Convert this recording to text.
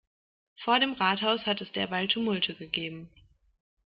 Vor dem Rathaus hat es derweil Tumulte gegeben.